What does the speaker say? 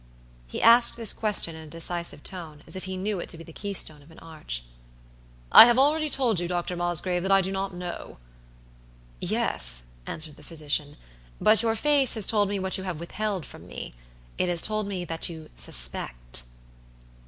He asked this question in a decisive tone, as if he knew it to be the key stone of an arch. "I have already told you, Dr. Mosgrave, that I do not know." "Yes," answered the physician, "but your face has told me what you have withheld from me; it has told me that you suspect."